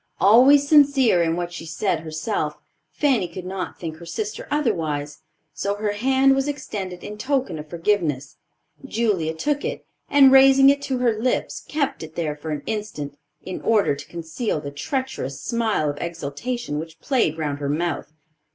Always sincere in what she said herself, Fanny could not think her sister otherwise; so her hand was extended in token of forgiveness. Julia took it, and raising it to her lips, kept it there for an instant, in order to conceal the treacherous smile of exultation which played round her mouth.